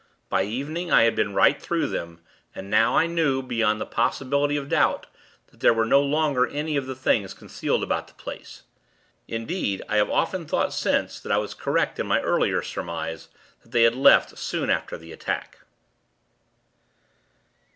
By evening, I had been right through them, and now, I knew, beyond the possibility of doubt, that there were no longer any of the Things concealed about the place. Indeed, I have often thought since, that I was correct in my earlier surmise, that they had left soon after the attack.